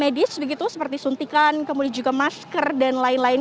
beberapa alat medis seperti suntikan kemudian juga masker dan lain lain